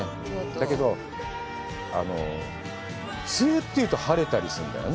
だけど、梅雨というと晴れたりするんだよね。